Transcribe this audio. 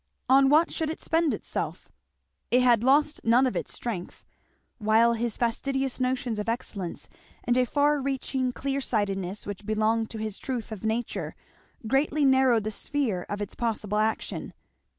On what should it spend itself? It had lost none of its strength; while his fastidious notions of excellence and a far reaching clear sightedness which belonged to his truth of nature, greatly narrowed the sphere of its possible action.